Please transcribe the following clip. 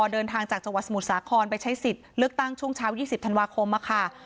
เดินทางจากจังหวัดสมุทรสาครไปใช้สิทธิ์เลือกตั้งช่วงเช้า๒๐ธันวาคมค่ะ